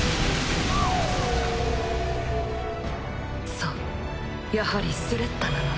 そうやはりスレッタなのね。